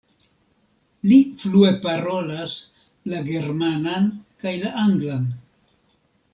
Li flue parolas la germanan kaj la anglan.